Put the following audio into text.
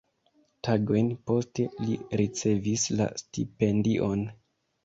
Tagojn poste, li ricevis la stipendion.